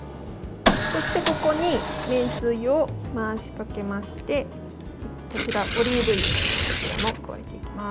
そして、ここにめんつゆを回しかけましてこちら、オリーブ油こちらも加えていきます。